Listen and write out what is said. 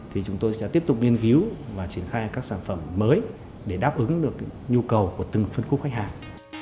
thì chúng tôi sẽ tiếp tục nghiên cứu và triển khai các sản phẩm mới để đáp ứng được nhu cầu của từng phân khúc khách hàng